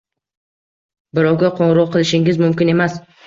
Birovga qo‘ng‘iroq qilishingiz mumkin emas.